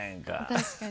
確かにね。